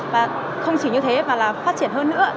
và không chỉ như thế mà là phát triển hơn nữa